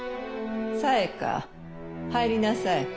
・紗江か入りなさい。